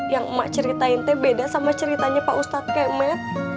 yang emak ceritain teh beda sama ceritanya pak ustad kayak med